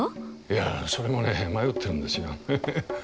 いやそれもね迷ってるんですよ。